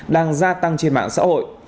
đang gia tăng trên mạng xã hội